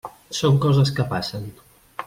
Són coses que passen.